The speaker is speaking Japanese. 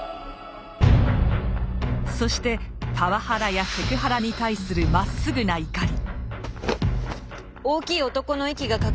そしてパワハラやセクハラに対するまっすぐな怒り。